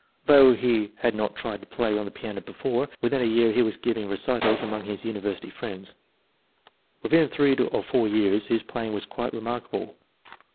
Although he had not tried to play on the piano before, within a year he was giving recitals among his university friends. Within three or four years his playing was quite re markable.